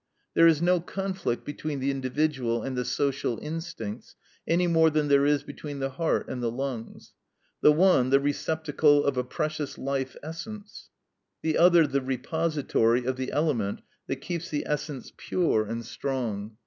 There is no conflict between the individual and the social instincts, any more than there is between the heart and the lungs: the one the receptacle of a precious life essence, the other the repository of the element that keeps the essence pure and strong.